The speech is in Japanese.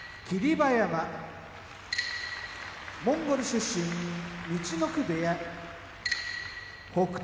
馬山モンゴル出身陸奥部屋北勝